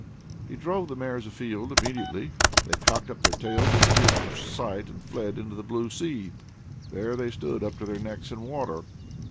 He drove the mares afield. Immediately they cocked up their tails, disappeared from sight, and fled into the blue sea. There they stood, up to their necks in water.